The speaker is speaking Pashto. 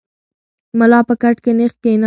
ملا په کټ کې نېغ کښېناست.